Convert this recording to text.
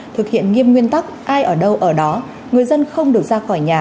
thực hiện nghiêm nguyên tắc ai ở đâu ở đó người dân không được ra khỏi nhà